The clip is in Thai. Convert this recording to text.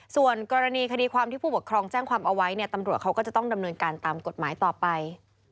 ส่วนกรณีคดีความที่ผู้ปกครองแจ้งความเอาไว้เนี่ย